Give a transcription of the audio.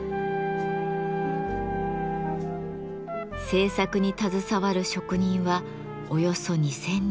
制作に携わる職人はおよそ２，０００人。